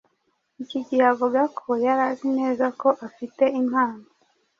Iki gihe avuga ko yari azi neza ko afite impano